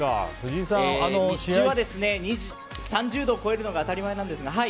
日中は３０度を超えるのが当たり前なんです。